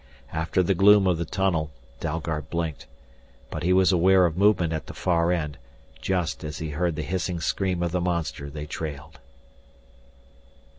After the gloom of the tunnel, Dalgard blinked. But he was aware of movement at the far end, just as he heard the hissing scream of the monster they trailed.